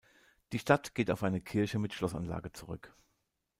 Die Stadt geht auf eine Kirche mit Schlossanlage zurück.